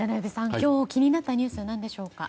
今日気になったニュースは何でしょうか？